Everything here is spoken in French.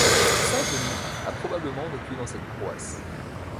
Saint Genou a probablement vécu dans cette paroisse.